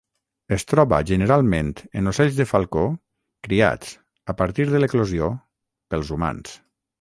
Es troba generalment en ocells de falcó criats a partir de l'eclosió pels humans.